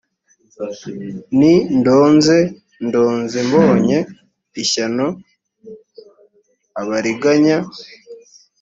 nti ndonze ndonze mbonye ishyano abariganya